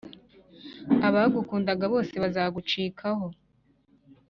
abagukundaga bose bazagucikaho